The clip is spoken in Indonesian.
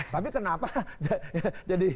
tapi kenapa jadi